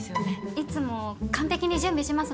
いつも完璧に準備します